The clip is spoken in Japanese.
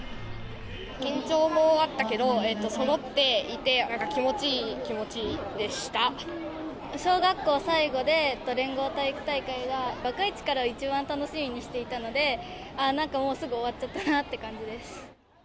緊張もあったけど、そろっていて、小学校最後で、連合体育大会が、若い力を一番楽しみにしていたので、なんかもうすぐ終わっちゃったなって感じです。